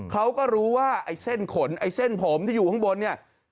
เขาก็รู้ว่าไอ้เส้นขนไอ้เส้นผมที่อยู่ข้างบนเนี่ย